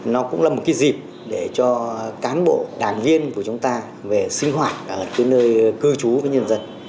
nó cũng là một cái dịp để cho cán bộ đảng viên của chúng ta về sinh hoạt ở cái nơi cư trú với nhân dân